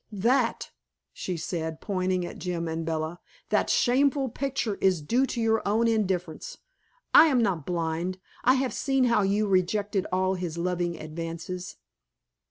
"That," she said, pointing at Jim and Bella, "that shameful picture is due to your own indifference. I am not blind; I have seen how you rejected all his loving advances."